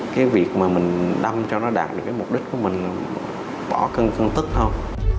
cái việc mà mình đâm cho nó đạt được cái mục đích của mình là bỏ cân tức thôi